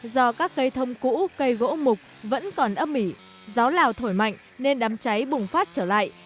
do các cây thông cũ cây gỗ mục vẫn còn âm mỉ gió lào thổi mạnh nên đám cháy bùng phát trở lại